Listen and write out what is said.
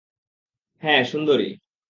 হ্যাঁ, সুন্দরী।